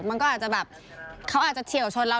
มันก็อาจจะแบบเขาอาจจะเฉียวชนเรา